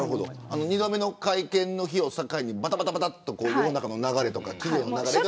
２度目の会見の日を境にばたばたと世の中とか、企業の流れが。